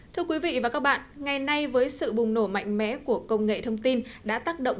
thưa quý vị và các bạn ngày nay với sự bùng nổ mạnh mẽ của công nghệ thông tin